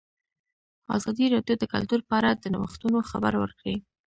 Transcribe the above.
ازادي راډیو د کلتور په اړه د نوښتونو خبر ورکړی.